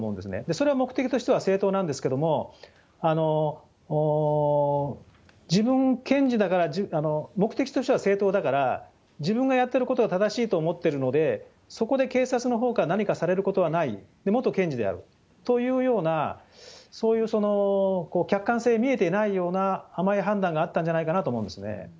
それは目的としては正当なんですけれども、自分、検事だから、目的としては正当だから、自分がやってることは正しいと思ってるので、そこで警察のほうから何かされることはない、元検事であるというような、そういう客観性見えていないような、甘い判断があったんじゃないかなと思うんですね。